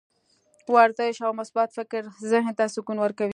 ورزش او مثبت فکر ذهن ته سکون ورکوي.